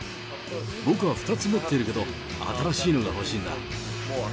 僕は２つ持っているけど、新しいのが欲しいんだ。